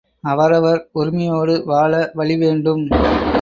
அவரவர் உரிமையோடு வாழ வழி வேண்டும்.